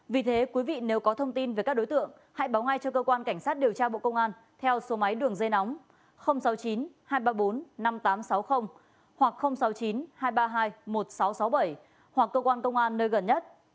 vì thế quý vị nếu có thông tin về các đối tượng hãy báo ngay cho cơ quan cảnh sát điều tra bộ công an theo số máy đường dây nóng sáu mươi chín hai trăm ba mươi bốn năm nghìn tám trăm sáu mươi hoặc sáu mươi chín hai trăm ba mươi hai một nghìn sáu trăm sáu mươi bảy hoặc cơ quan công an nơi gần nhất